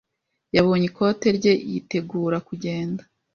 yabonye ikote rye yitegura kugenda.